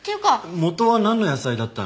元はなんの野菜だったの？